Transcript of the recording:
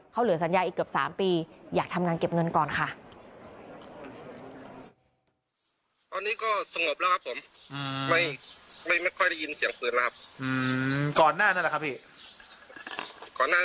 เขาเหลือสัญญาอีกเกือบ๓ปีอยากทำงานเก็บเงินก่อนค่ะ